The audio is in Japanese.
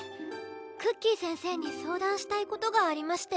クッキー先生に相談したい事がありまして。